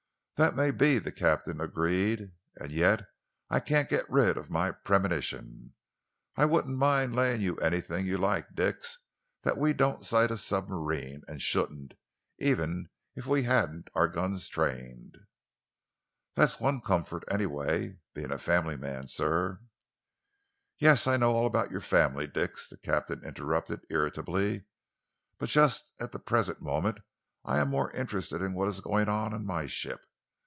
"That may be," the captain agreed, "and yet I can't get rid of my premonition. I wouldn't mind laying you anything you like, Dix, that we don't sight a submarine, and shouldn't, even if we hadn't our guns trained." "That's one comfort, anyway. Being a family man, sir " "Yes, I know all about your family, Dix," the captain interrupted irritably, "but just at the present moment I am more interested in what is going on in my ship.